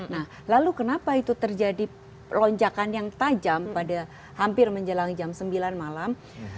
nah lalu kenapa itu terjadi lonjakan yang tajam pada hampir menjelang jam sembilan malam